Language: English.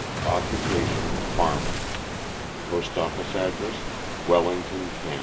Occupation, farming. Postoffice address, Welling ton. Kan.